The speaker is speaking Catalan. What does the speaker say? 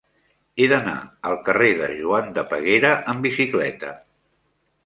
He d'anar al carrer de Joan de Peguera amb bicicleta.